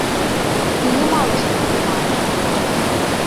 Мяне мала што трымае.